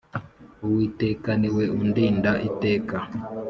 uwiteka niwe undinda iteka